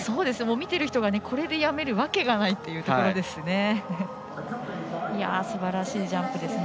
見てる人がこれでやめるわけがないというところですね。